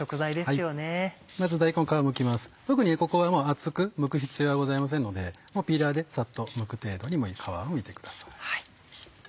特にここでは厚くむく必要はございませんのでピーラーでさっとむく程度に皮をむいてください。